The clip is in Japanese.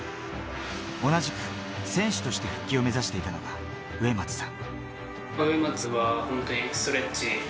同じく選手として復帰を目指していたのが植松さん。